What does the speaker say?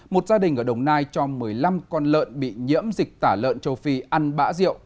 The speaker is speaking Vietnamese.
một gia đình ở đồng nai cho một mươi năm con lợn bị nhiễm dịch tả lợn châu phi ăn bã rượu